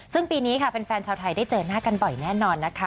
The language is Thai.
ซึ่งปีนี้ค่ะแฟนชาวไทยได้เจอหน้ากันบ่อยแน่นอนนะคะ